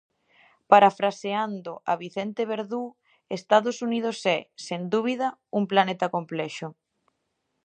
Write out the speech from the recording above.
Parafraseando a Vicente Verdú, Estados Unidos é, sen dúbida, un planeta complexo.